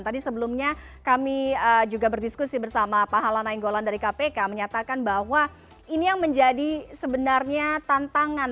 tadi sebelumnya kami juga berdiskusi bersama pak hala nainggolan dari kpk menyatakan bahwa ini yang menjadi sebenarnya tantangan